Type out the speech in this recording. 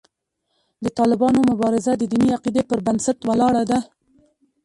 د طالبانو مبارزه د دیني عقیدې پر بنسټ ولاړه ده.